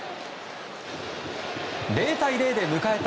０対０で迎えた